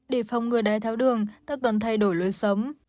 để phòng ngừa đáy tháo đường ta cần thay đổi lối sống